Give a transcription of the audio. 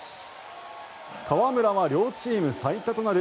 河村は両チーム最多となる